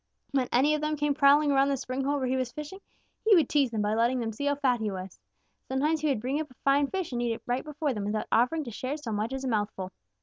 When any of them came prowling around the spring hole where he was fishing, he would tease them by letting them see how fat he was. Sometimes he would bring up a fine fish and eat it right before them without offering to share so much as a mouthful.